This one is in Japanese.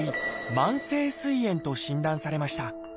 「慢性すい炎」と診断されました。